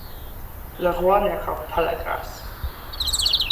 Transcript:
Le roi n'accorde pas la grâce.